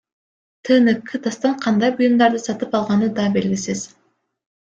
ТНК Дастан кандай буюмдарды сатып алганы да белгисиз.